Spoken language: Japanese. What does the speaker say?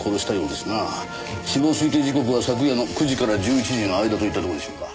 死亡推定時刻は昨夜の９時から１１時の間といったところでしょうか。